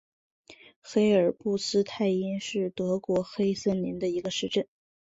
黑尔布斯泰因是德国黑森州的一个市镇。